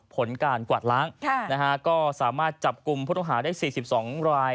ผลการกวาดล้างค่ะนะฮะก็สามารถจับกลุ่มผู้ต้องหาได้สี่สิบสองราย